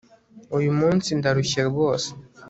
Uyu munsi ndarushye rwose